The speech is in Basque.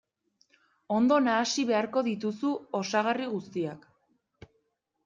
Ondo nahasi beharko dituzu osagarri guztiak.